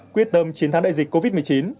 quyết tâm chiến thắng đại dịch covid một mươi chín